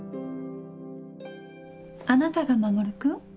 ・あなたが守君？